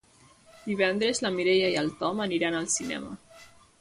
Divendres na Mireia i en Tom aniran al cinema.